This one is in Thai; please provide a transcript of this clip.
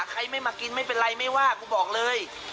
ใครไม่มากินไม่เป็นไรไม่ว่ากูบอกเลย